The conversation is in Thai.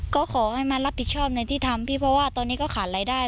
ก็ขอให้มารับผิดชอบในที่ทำพี่เพราะว่าตอนนี้ก็ขาดรายได้